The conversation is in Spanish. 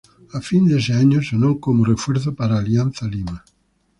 A fin de ese año sonó como refuerzo para Alianza Lima.